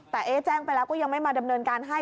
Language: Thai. แต่แจ้งไปแล้วก็ยังไม่มาดำเนินการให้